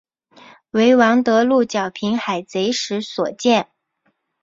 为王得禄剿平海贼时所建。